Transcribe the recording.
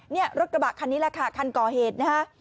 นี่รถกระบะคันนี้แหละค่ะคันก่อเหตุนะฮะ